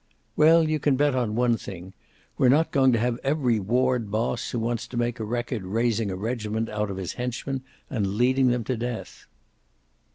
"Well, you can bet on one thing; we're not going to have every ward boss who wants to make a record raising a regiment out of his henchmen and leading them to death."